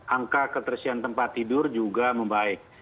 angka keterisian tempat tidur juga membaik